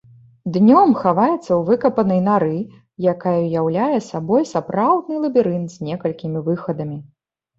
Днём хаваецца ў выкапанай нары, якая ўяўляе сабой сапраўдны лабірынт з некалькімі выхадамі.